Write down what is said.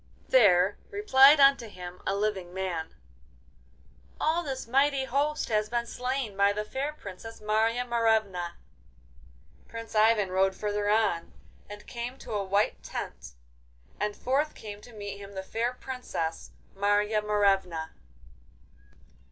There replied unto him a living man: 'All this mighty host has been slain by the fair Princess Marya Morevna.' Prince Ivan rode further on, and came to a white tent, and forth came to meet him the fair Princess Marya Morevna.